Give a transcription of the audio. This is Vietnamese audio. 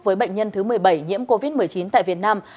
với bệnh nhân thứ một mươi bảy nhiễm covid một mươi chín tại việt nam